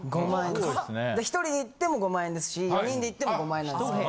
だから１人で行っても５万円ですし４人で行っても５万円なんですけど。